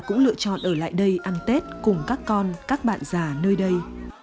cũng lựa chọn ở lại đây ăn tết cùng các con các bạn già nơi đây